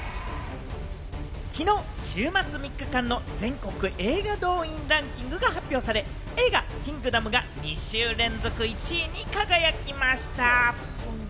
昨日、週末３日間の全国映画動員ランキングが発表され、映画『キングダム』が２週連続１位に輝きました。